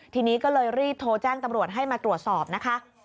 ทีนี้ก็เลยรีบโทรแจ้งตำรวจให้มาตรวจสอบนะคะ